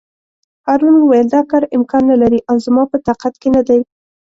هارون وویل: دا کار امکان نه لري او زما په طاقت کې نه دی.